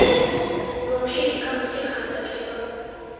რომში იდგა მისი ქანდაკება.